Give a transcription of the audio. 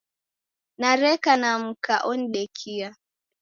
Nereka na mka onidekia.